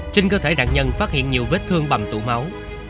trên cơ thể nạn nhân phát hiện nhiều vết thương bầm tụ máu